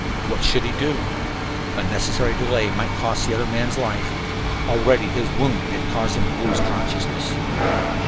What should he do? Unnecessary delay might cost the other man's life. Already his wound had caused him to lose consciousness.